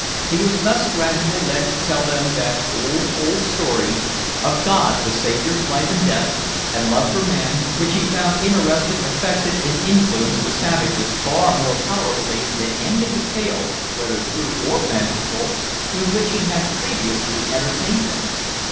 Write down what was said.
He was thus gradually led to tell them that "old, old story" of God the Saviour's life and death, and love for man, which he found interested, affected, and influenced the savages far more powerfully than any of the tales, whether true or fanciful, with which he had previously entertained them.